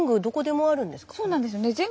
そうなんですよね。